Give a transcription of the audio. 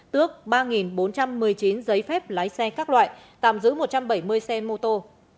tước ba bốn trăm một mươi chín giấy phép lái xe các loại tạm giữ một trăm bảy mươi xe mô tô